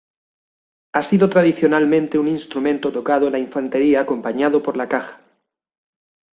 Ha sido tradicionalmente un instrumento tocado en infantería acompañado por la caja.